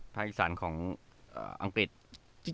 อีสานของอังกฤษ